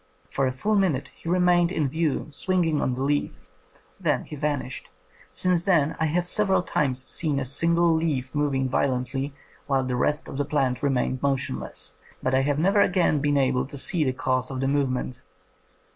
For a full minute he remained in view, swinging on the leaf. Then he vanished. Since then I have several times seen a single leaf moving vio lently while the rest of the plant remained motionless, but I have never again been able to see the cause of the movement.